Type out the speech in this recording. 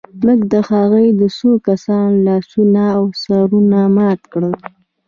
موږ د هغوی د څو کسانو لاسونه او سرونه مات کړل